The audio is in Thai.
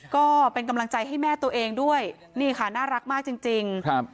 ก็เป็นกำลังใจให้แม่ตัวเองด้วยนี่ค่ะน่ารักมากจริงจริงครับ